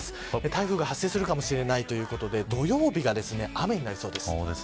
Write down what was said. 台風が発生するかもしれないということで土曜日が雨になりそうです。